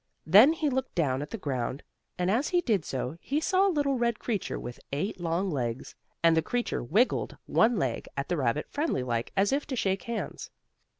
Then he looked down at the ground, and, as he did so he saw a little red creature with eight long legs, and the creature wiggled one leg at the rabbit friendly like as if to shake hands.